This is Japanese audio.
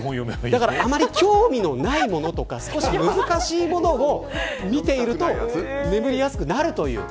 あまり興味のないものとか少し難しいものを見ていると眠りやすくなるという。